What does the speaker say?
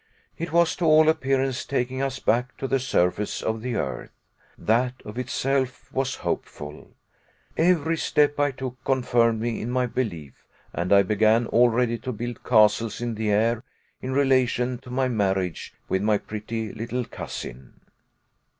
It was to all appearance taking us back to the surface of the earth. That of itself was hopeful. Every step I took confirmed me in my belief, and I began already to build castles in the air in relation to my marriage with my pretty little cousin.